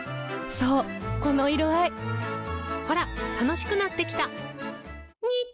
そうこの色合いほら楽しくなってきた！